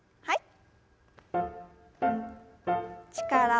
はい。